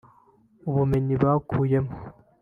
ubumenyi bakuyeyo